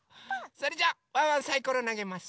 それじゃあワンワンサイコロなげます。